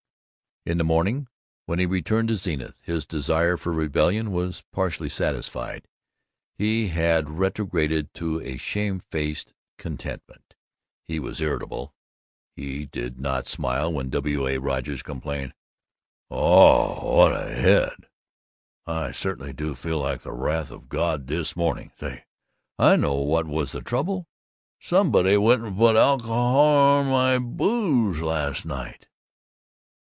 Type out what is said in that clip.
In the morning, when he returned to Zenith, his desire for rebellion was partly satisfied. He had retrograded to a shame faced contentment. He was irritable. He did not smile when W. A. Rogers complained, "Ow, what a head! I certainly do feel like the wrath of God this morning. Say! I know what was the trouble! Somebody went and put alcohol in my booze last night."